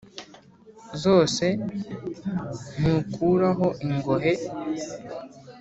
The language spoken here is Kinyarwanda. zose ntukuraho ingohe